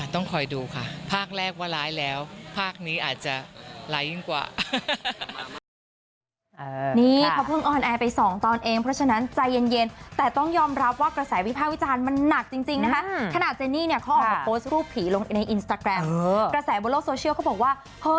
ต้องคอยดูค่ะภาคแรกว่าร้ายแล้วภาคนี้อาจจะร้ายยิ่งกว่า